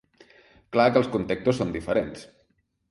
Clar que els contextos són diferents.